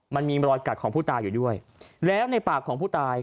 มันมีรอยกัดของผู้ตายอยู่ด้วยแล้วในปากของผู้ตาย